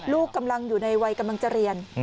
ลูกกำลังอยู่ในวัยกำลังจะเรียน